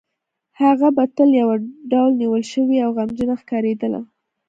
هغه به تل یو ډول نیول شوې او غمجنې ښکارېدله